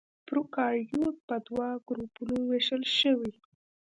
پروکاريوت په دوه ګروپونو وېشل شوي.